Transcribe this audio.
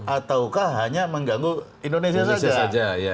ataukah hanya mengganggu indonesia saja